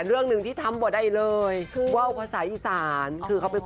เอาเราไปฟังหน่อยค่ะ